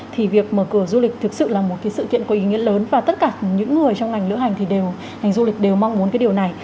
thì việc mở cửa du lịch thực sự là một cái sự kiện có ý nghĩa lớn và tất cả những người trong ngành lữ hành thì đều ngành du lịch đều mong muốn cái điều này